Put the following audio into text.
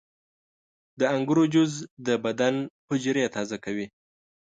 • د انګورو جوس د بدن حجرې تازه کوي.